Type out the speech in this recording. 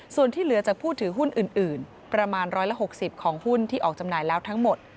ส่วนที่เหลือจากผู้ถือหุ้นอื่นประมาณ๑๖๐ของหุ้นที่ออกจำหน่ายแล้วทั้งหมด